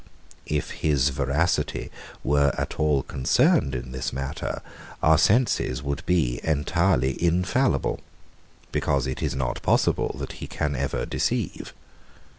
If his veracity were at all concerned in this matter, our senses would be entirely infallible; because it is not possible that he can ever deceive.